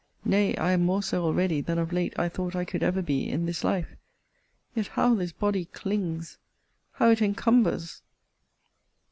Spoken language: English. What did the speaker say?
Nay, I am more so already than of late I thought I could ever be in this life. Yet how this body clings! How it encumbers!